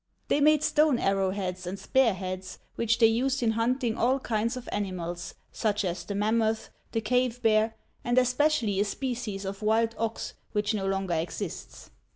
They made stone arrowheads and spearheads, which they used in hunting all kinds of animals, such as the mammoth, the cave bear, and especially a species of wild ox which no longer exists.